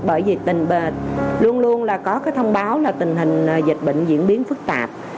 bởi vì tình luôn luôn là có cái thông báo là tình hình dịch bệnh diễn biến phức tạp